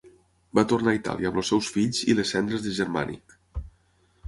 Va tornar a Itàlia amb els seus fills i les cendres de Germànic.